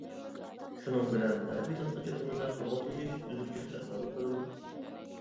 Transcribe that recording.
شۇنىڭ بىلەن، ئەدەبىي تەنقىدچىلىكىمىزدە قۇرغاقلىشىش، ئۈزۈكچىلىك ئەھۋالى كۆرۈلدى.